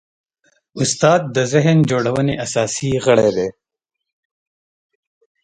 استاد د ذهن جوړونې اساسي غړی دی.